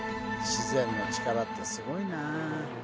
自然の力ってすごいな。